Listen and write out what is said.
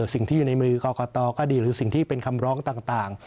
สิ่งที่อยู่ในมือกรกตก็ดีหรือสิ่งที่เป็นคำร้องต่าง